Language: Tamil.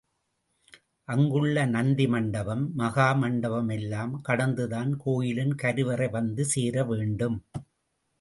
அங்குள்ள நந்தி மண்டபம், மகா மண்டபம் எல்லாம் கடந்துதான் கோயிலின் கருவறை வந்து சேரவேண்டும்.